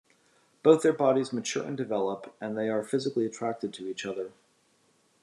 Both their bodies mature and develop, and they are physically attracted to each other.